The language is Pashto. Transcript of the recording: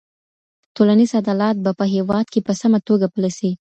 ټولنيز عدالت به په هيواد کي په سمه توګه پلی سي.